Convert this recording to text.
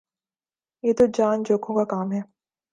یہ تو جان جوکھوں کا کام ہے